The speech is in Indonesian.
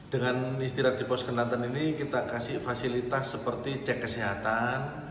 dengan istirahat di pos kenatan ini kita kasih fasilitas seperti cek kesehatan